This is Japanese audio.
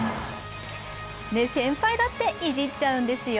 ね、先輩だっていじっちゃうんですよ。